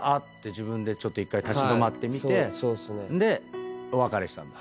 自分でちょっと１回立ち止まってみてでお別れしたんだ。